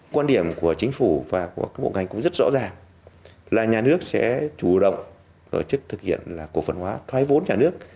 quan điểm của chính phủ và của bộ ngành cũng rất rõ ràng là nhà nước sẽ chủ động tổ chức thực hiện cổ phần hóa thoái vốn nhà nước